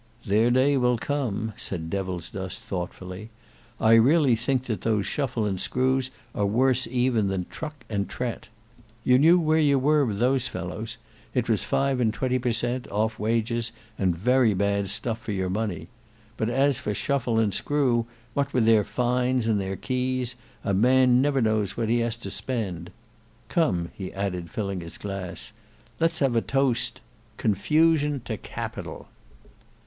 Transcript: "Their day will come," said Devilsdust, thoughtfully. "I really think that those Shuffle and Screws are worse even than Truck and Trett. You knew where you were with those fellows; it was five and twenty per cent, off wages and very bad stuff for your money. But as for Shuffle and Screw, what with their fines and their keys, a man never knows what he has to spend. Come," he added filling his glass, "let's have a toast—Confusion to Capital."